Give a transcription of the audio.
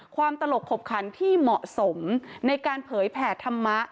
ตลกขบขันที่เหมาะสมในการเผยแผ่ธรรมะ